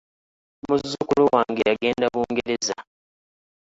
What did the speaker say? Muzzukulu wange yagenda Bungereza.